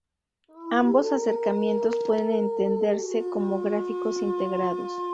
Ambos acercamientos pueden entenderse como gráficos integrados.